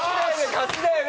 勝ちだよね？